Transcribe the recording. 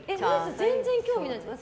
全然興味ないんですか？